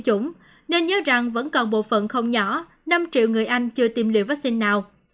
chủng nên nhớ rằng vẫn còn bộ phận không nhỏ năm triệu người anh chưa tiêm liều vaccine nào